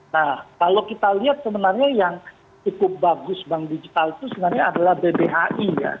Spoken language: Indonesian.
nah kalau kita lihat sebenarnya yang cukup bagus bank digital itu sebenarnya adalah bbhi ya